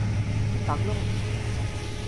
এটা পাগলামো হচ্ছে!